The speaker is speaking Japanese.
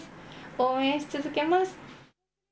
応援し続けます。